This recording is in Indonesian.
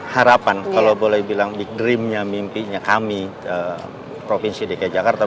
harapan kalau boleh bilang big dream nya mimpinya kami provinsi dki jakarta